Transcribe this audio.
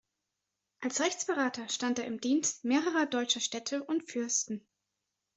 Als Rechtsberater stand er im Dienst mehrerer deutscher Städte und Fürsten.